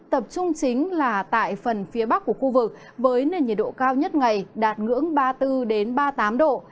tập trung chính là tại phần phía bắc của khu vực với nền nhiệt độ cao nhất ngày đạt ngưỡng ba mươi bốn ba mươi tám độ